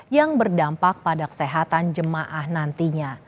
yang berdampak pada kesehatan jemaah nantinya